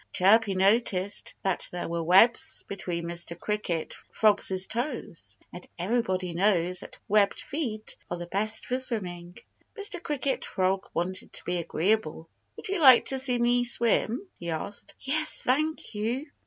Chirpy noticed that there were webs between Mr. Cricket Frog's toes. And everybody knows that webbed feet are the best for swimming. Mr. Cricket Frog wanted to be agreeable. "Would you like to see me swim?" he asked. "Yes, thank you!"